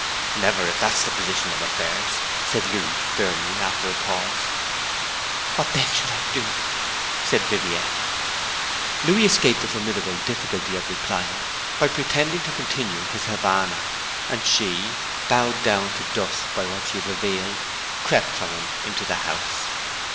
'Never, if that's the position of affairs,' said Louis firmly, after a pause. 'What then shall I do?' said Viviette. Louis escaped the formidable difficulty of replying by pretending to continue his Havannah; and she, bowed down to dust by what she had revealed, crept from him into the house.